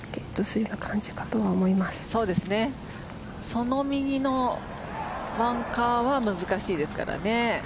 その右のバンカーは難しいですからね。